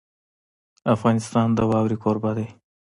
افغانستان د واوره کوربه دی.